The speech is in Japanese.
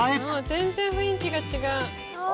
全然雰囲気が違う。